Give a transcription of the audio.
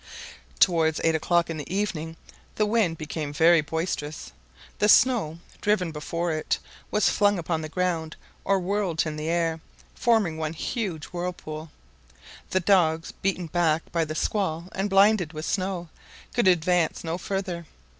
Towards eight o'clock in the evening the wind became very boisterous. The snow, driven before it, was flung upon the ground or whirled in the air, forming one huge whirlpool. The dogs, beaten back by the squall and blinded with snow, could advance no further.